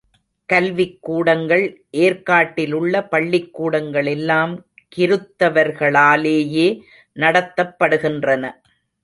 கல்விக் கூடங்கள் ஏர்க்காட்டிலுள்ள பள்ளிக் கூடங்களெல்லாம் கிருத்தவர்களாலேயே நடத்தப்படுகின்றன.